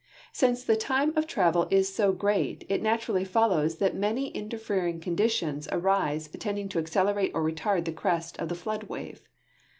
Since the time of travel is so great, it naturally follows that many inter fering conditions arise tending to accelerate or retard the crest of the flood wave.